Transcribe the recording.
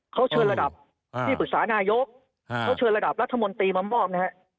เขาเชิญระดับที่ปรึกษานายกเขาเชิญระดับรัฐมนตรีมามอบนะฮะ